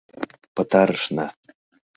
— Пытарышна.